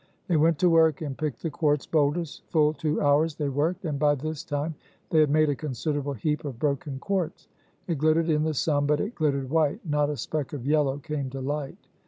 They went to work and picked the quartz bowlders; full two hours they worked, and by this time they had made a considerable heap of broken quartz; it glittered in the sun, but it glittered white, not a speck of yellow came to light.